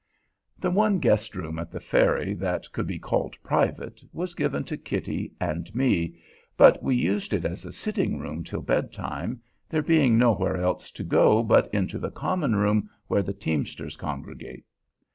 The one guest room at the Ferry that could be called private was given to Kitty and me; but we used it as a sitting room till bedtime, there being nowhere else to go but into the common room where the teamsters congregate.